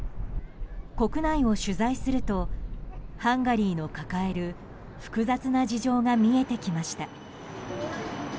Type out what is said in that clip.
国内を取材するとハンガリーの抱える複雑な事情が見えてきました。